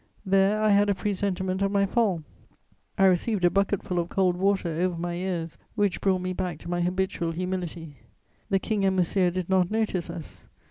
There I had a presentiment of my fall; I received a bucketful of cold water over my ears which brought me back to my habitual humility. The King and Monsieur did not notice us.